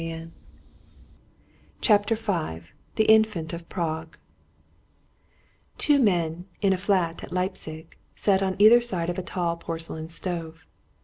Part II CHAPTER V THE INFANT OF PRAGUE Two men, in a flat at Leipzig, sat on either side of a tall porcelain stove.